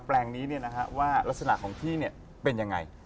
แปลงนี้นะครับว่ารัศนาของที่เป็นยังไง